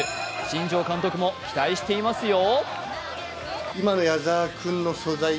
新庄監督も期待していますよ。